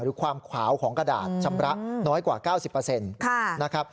หรือความขาวของกระดาษชำระน้อยกว่า๙๐นะครับ